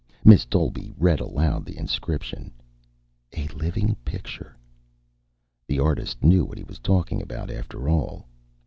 Miss Dolby read aloud the inscription: "A living picture ... The artist knew what he was talking about, after all."